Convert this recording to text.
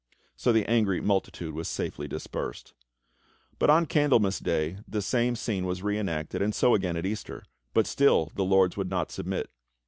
So the angry multitude was safely dispersed. But on Candlemas Day the same scene was re enacted, and so again at Easter; but still the lords would not submit.